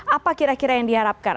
apa kira kira yang diharapkan